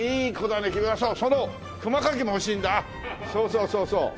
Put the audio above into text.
そうそうそうそう。